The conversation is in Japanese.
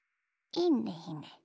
いいねいいね。